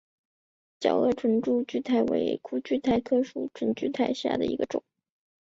角萼唇柱苣苔为苦苣苔科唇柱苣苔属下的一个种。